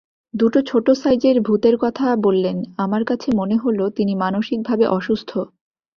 দুটো ছোট সাইজের ভূতের কথা বললেন, আমার কাছে মনে হল তিনি মানসিকভাবে অসুস্থ।